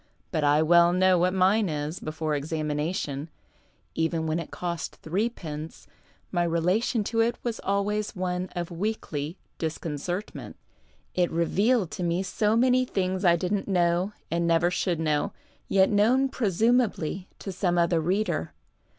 But I well know what mine is, before examination. Even when it cost 3rf., my relation to it was always one of weekly disconcert ment. It revealed to me so many things I didn't know and never should know, yet known presumably to some other reader.